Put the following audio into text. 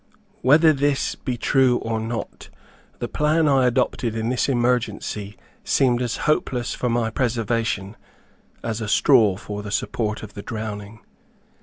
Whether this be true or not, the plan which I adopted in this emergency seemed as hopeless for my preservation, as a straw for the support of the drowning.